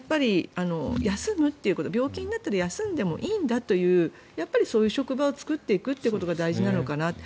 病気になったら休んでもいいんだというそういう職場を造っていくことが大事なのかなと。